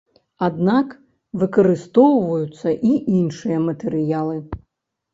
Аднак выкарыстоўваюцца і іншыя матэрыялы.